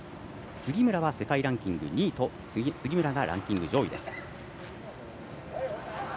杉村は世界ランキング２位と杉村がランキング上位です。